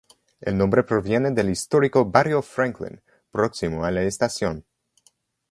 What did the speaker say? El nombre proviene del histórico Barrio Franklin, próximo a la estación.